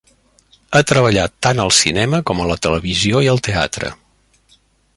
Ha treballat tant al cinema, com a la televisió i al teatre.